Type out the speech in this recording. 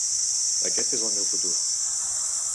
Aquest és el meu futur.